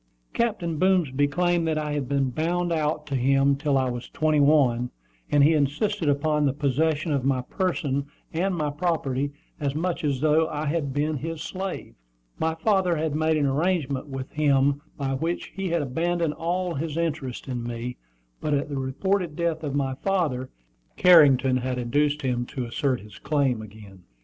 Captain Boomsby claimed that I had been "bound out" to him till I was twenty one; and he insisted upon the possession of my person and my property as much as though I had been his slave. My father had made an arrangement with him by which he had abandoned all his interest in me, but at the reported death of my father, Carrington had induced him to assert his claim again.